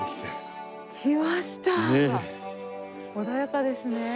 穏やかですね。